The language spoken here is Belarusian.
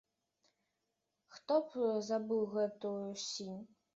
Хто б забыў гэтую сінь?!